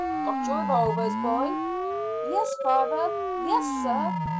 Got your revolvers, boys?" "Yes, father yes, sir!"